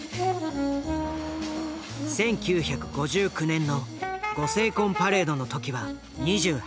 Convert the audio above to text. １９５９年のご成婚パレードの時は２８歳。